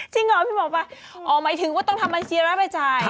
จริงหรอพี่บอกไปอ๋อหมายถึงว่าต้องทำบัญชีแล้วรับประจาย